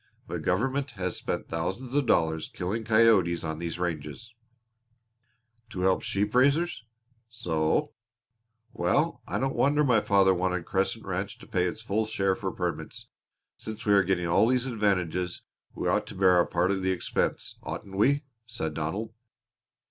The government has spent thousands of dollars killing coyotes on these ranges." "To help the sheep raisers?" "So." "Well, I don't wonder my father wanted Crescent Ranch to pay its full share for permits. Since we are getting all these advantages, we ought to bear our part of the expense, oughtn't we?" said Donald.